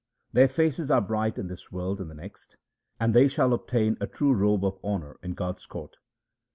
Their faces are bright in this world and the next, and they shall obtain a true robe of honour in God's court.